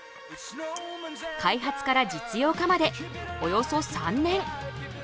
開発から実用化までおよそ３年。